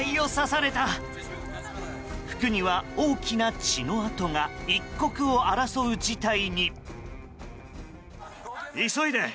服には大きな血の痕が一刻を争う事態に。